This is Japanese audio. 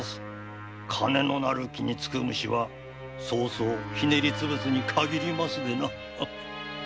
金の成る木につく虫は早々にひねりつぶすにかぎりますでな。